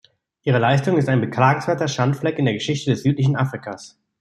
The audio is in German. Ihre Leistung ist ein beklagenswerter Schandfleck in der Geschichte des südlichen Afrikas.